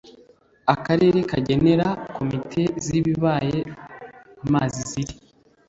akarere kagenera komite z ibibaya by amazi ziri